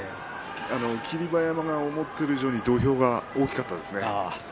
霧馬山が思っている以上に土俵が大きかったですね。